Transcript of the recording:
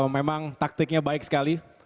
memang taktiknya baik sekali